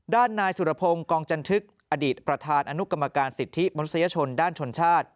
ด้านนายสุรพงศ์กองจันทึกอดีตประธานอนุกรรมการสิทธิมนุษยชนด้านชนชาติ